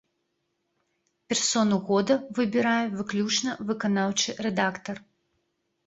Персону года выбірае выключна выканаўчы рэдактар.